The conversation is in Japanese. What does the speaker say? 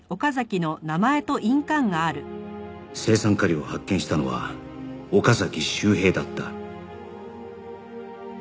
青酸カリを発見したのは岡崎周平だった